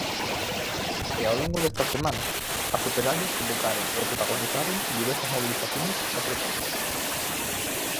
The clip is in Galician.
E ao longo destas semanas, as operarias convocaron e protagonizaron diversas mobilizacións e protestas.